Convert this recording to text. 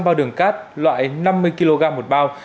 bao đường cát loại năm mươi kg một bao